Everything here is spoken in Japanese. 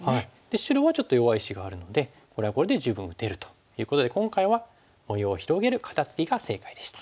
白はちょっと弱い石があるのでこれはこれで十分打てるということで今回は模様を広げる肩ツキが正解でした。